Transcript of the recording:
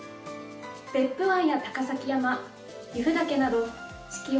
別府湾や高崎山、由布岳など四季